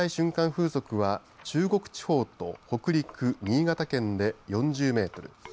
風速は中国地方と北陸、新潟県で４０メートル